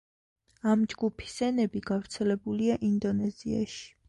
ამ ჯგუფის ენები გავრცელებულია ინდონეზიაში.